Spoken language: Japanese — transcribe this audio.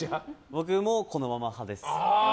僕も、このまま派です。